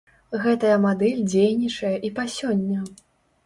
Гэтая мадэль дзейнічае і па сёння.